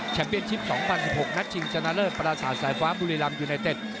แชมพีเอนชิป๒๐๑๖นัทชิงชนะเลิศปราสาทสายฟ้าบุรีรัมย์ยูไนเต็ด